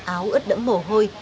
áo ướt đẫm mổ hôi